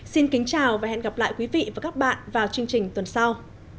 xin kính chào và hẹn gặp lại quý vị và các bạn vào chương trình tuần sau